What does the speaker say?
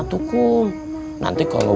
tukum nanti kalau